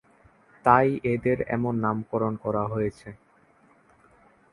তাই এদের এমন নামকরণ করা হয়েছে।